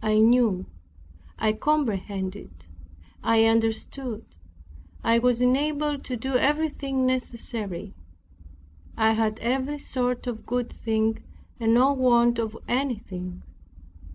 I knew, I comprehended, I understood, I was enabled to do everything necessary. I had every sort of good thing and no want of anything.